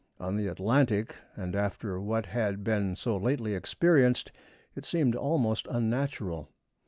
On the Atlantic, and after what had been so lately experienced, it seemed almost unnatural.